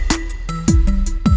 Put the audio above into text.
gak ada yang nungguin